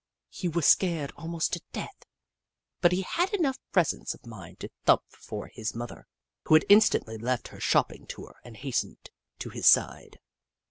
He was scared almost to death, but he had enough presence of mind to thump for his mother, who instantly left her shopping tour and hastened to his side.